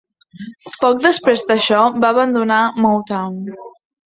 Poc després d'això va abandonar Motown.